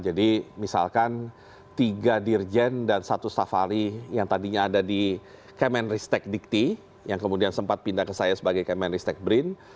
jadi misalkan tiga dirjen dan satu stafali yang tadinya ada di kemenristek dikti yang kemudian sempat pindah ke saya sebagai kemenristek brin